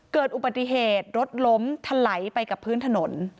เกิดอุบัติเหตุรถล้มถลายไปกับพื้นถนน